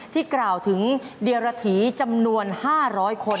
ที่กล่าวถึงเดรถีจำนวน๕๐๐คน